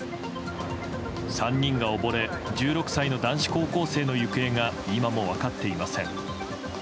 ３人が溺れ１６歳の男子高校生の行方が今も分かっていません。